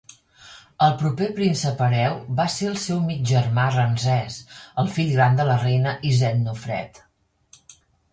El proper príncep hereu va ser el seu mig germà Ramsès, el fill gran de la reina Isetnofret.